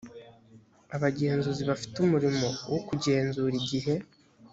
abagenzuzi bafite umurimo wo kugenzura igihe.